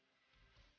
ya mak yang bener ya